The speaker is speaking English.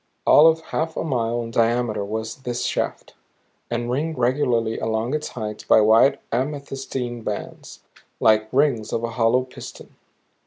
All of half a mile in diameter was this shaft, and ringed regularly along its height by wide amethystine bands like rings of a hollow piston.